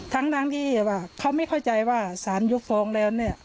ทั้งที่ว่าเขาไม่เข้าใจว่าสารยกฟ้องแล้วเนี่ย